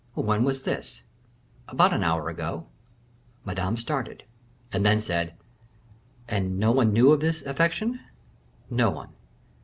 "When was this?" "About an hour ago." Madame started, and then said, "And no one knew of this affection?" "No one."